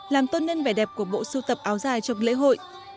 làm tôn nên vẻ đẹp của bộ sưu tập áo dài trong lễ hội